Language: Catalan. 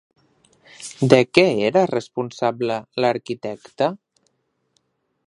De què era el responsable l'arquitecte?